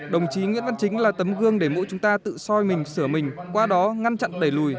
đồng chí nguyễn văn chính là tấm gương để mỗi chúng ta tự soi mình sửa mình qua đó ngăn chặn đẩy lùi